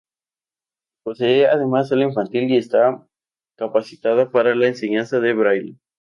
Posee además sala infantil y está capacitada para la enseñanza de Braille.